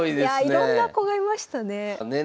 いろんな子がいましたね。